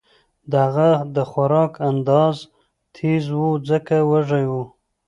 د هغه د خوراک انداز تېز و ځکه وږی و